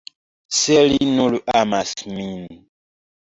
Se li nur amas min.